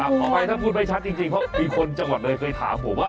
ขออภัยถ้าพูดไม่ชัดจริงเพราะมีคนจังหวัดเลยเคยถามผมว่า